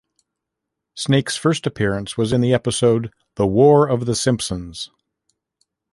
Snake's first appearance was in the episode "The War of the Simpsons".